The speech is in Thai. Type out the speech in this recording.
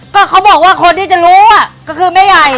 ก็เขาบอกว่าคนที่จะรู้ก็คือแม่ใหญ่